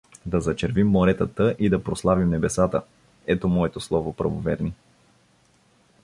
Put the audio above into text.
Да зачервим моретата и да прославим небесата… Ето моето слово, правоверни!